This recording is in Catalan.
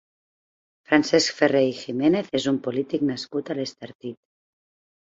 Francesc Ferrer i Giménez és un polític nascut a l'Estartit.